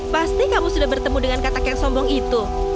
pasti kamu sudah bertemu dengan katak yang sombong itu